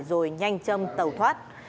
rồi nhanh châm tàu thoát